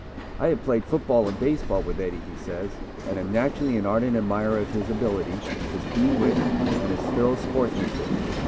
"I have played football and baseball with Eddie," he says, "and am naturally an ardent admirer of his ability, his keen wit and his thorough sportsmanship.